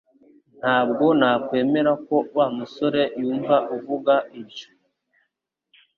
Ntabwo nakwemera ko Wa musore yumva uvuga ibyo